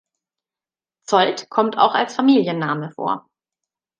Zsolt kommt auch als Familienname vor.